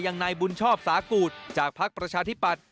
อย่างในบุญชอบสากูดจากพักประชาธิบัติ